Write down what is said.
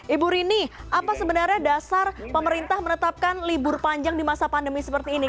ibu rini apa sebenarnya dasar pemerintah menetapkan libur panjang di masa pandemi seperti ini